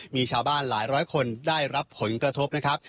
มีชาวบ้านหลายร้อยคนได้รับผลกระทบนะครับ